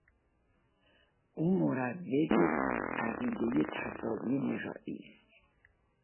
او مروج عقیدهی تساوی نژادی است.